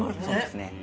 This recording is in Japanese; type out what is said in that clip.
そうですね。